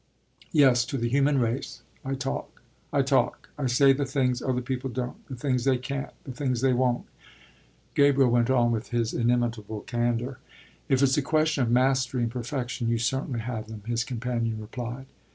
"Yes to the human race. I talk I talk; I say the things other people don't, the things they can't the things they won't," Gabriel went on with his inimitable candour. "If it's a question of mastery and perfection you certainly have them," his companion replied.